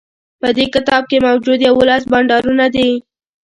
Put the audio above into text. په دې کتاب کی موجود یوولس بانډارونه دي